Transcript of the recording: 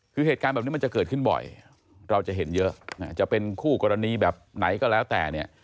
คือเหตุการณ์แบบนี้มันจะเกิดขึ้นบ่อยเราจะเห็นเยอะจะเป็นคู่กรณีแบบไหนก็แล้วแต่เนี่ย